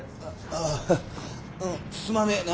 あああうんすまねえな。